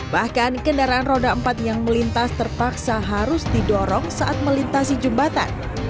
bahkan kendaraan roda empat yang melintas terpaksa harus didorong saat melintasi jembatan